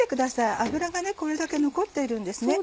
油がこれだけ残っているんですね。